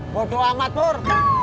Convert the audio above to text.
bodoh amat pur